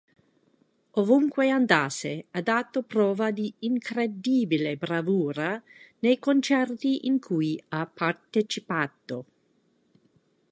Ovunque andasse, ha dato prova di incredibile bravura nei concerti in cui ha partecipato.